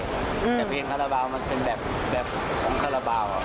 แต่เพลงคาราบาลมันเป็นแบบของคาราบาล